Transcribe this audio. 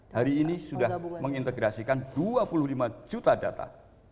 hari ini sudah mengintegrasikan dua puluh lima juta data